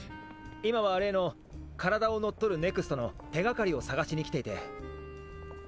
今は例の体を乗っ取るＮＥＸＴの手がかりを捜しに来ていて。